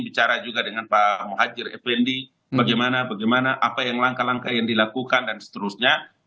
bicara juga dengan pak muhajir effendi bagaimana bagaimana apa yang langkah langkah yang dilakukan dan seterusnya